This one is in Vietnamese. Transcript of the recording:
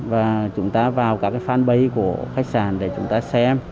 và chúng ta vào các fanpage của khách sạn để chúng ta xem